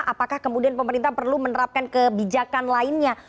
apakah kemudian pemerintah perlu menerapkan kebijakan lainnya